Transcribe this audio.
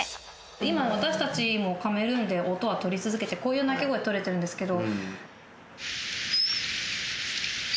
今私たちもカメルーンで音は録り続けてこういう鳴き声録れてるんですけど。